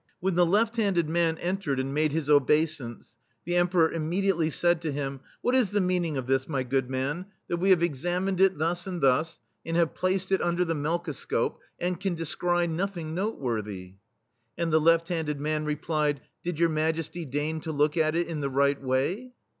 When the left handed man entered and made his obeisance, the Emperor immediately said to him : "What is the meaning of this, my good man, that [S6] THE STEEL FLEA we have examined it thus and thus, and have placed it under the melko scope, and can descry nothing note worthy ?" And the left handed man replied: "Did Your Majesty deign to look at it in the right way?